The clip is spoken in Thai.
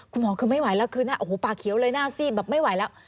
คุณหมอคือไม่ไหวแล้วคืนหน้าโอ้โหปากเขียวเลยหน้าซีดแบบไม่ไหวแล้ว